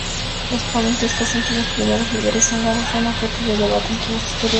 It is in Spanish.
Los parentescos entre los primeros líderes húngaros son objeto de debate entre los historiadores.